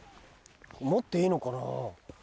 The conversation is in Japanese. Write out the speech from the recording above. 持っていいのかな？